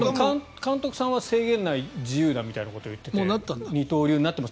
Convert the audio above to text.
監督さんは、制限ない自由だみたいな話をしていて二刀流になってます。